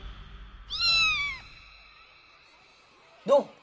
どう？